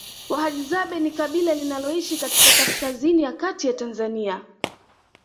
Wahadzabe ni kabila linaloishi katika kaskazini ya kati Tanzania